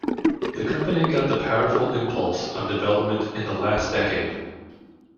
The company got the powerful impulse of development in the last decade.